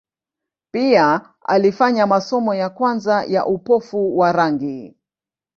Pia alifanya masomo ya kwanza ya upofu wa rangi.